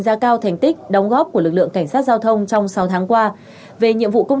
giá cao thành tích đóng góp của lực lượng cảnh sát giao thông trong sáu tháng qua về nhiệm vụ công